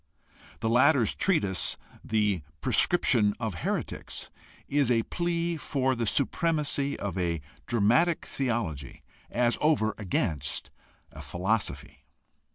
The latter's treatise, The Prescription of Heretics, is a plea for the siipremacy of a dramatic theology as over against a philosophy.